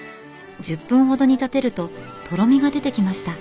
１０分ほど煮立てるととろみが出てきました。